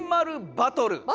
バトル？